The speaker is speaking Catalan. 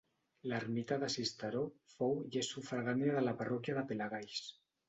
L'ermita de Sisteró fou i és sufragània de la parròquia de Pelagalls.